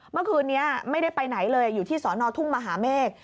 เมื่อคืนนี้ไม่ได้ไปไหนเลยอยู่ที่สอนอทุ่งมหาเมฆ